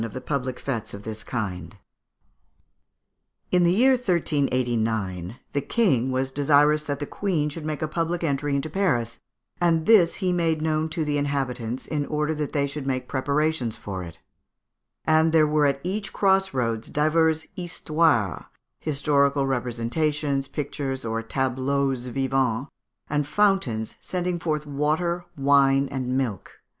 ] "In the year 1389, the King was desirous that the Queen should make a public entry into Paris, and this he made known to the inhabitants, in order that they should make preparations for it. And there were at each cross roads divers histoires (historical representations, pictures, or tableaux vivants), and fountains sending forth water, wine, and milk.